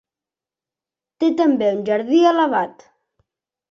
Té també un jardí elevat.